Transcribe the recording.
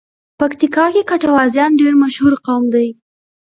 پکیتیکا کې ګټوازیان ډېر مشهور قوم دی.